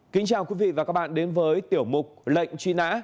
kính chào quý vị và các bạn đến với tiểu mục lệnh truy nã